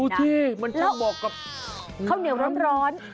ดูที่มันมีข้าวเหนือร้อน